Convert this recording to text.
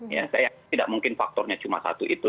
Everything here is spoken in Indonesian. ya saya yakin tidak mungkin faktornya cuma satu itu